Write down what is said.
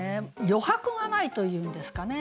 余白がないというんですかね。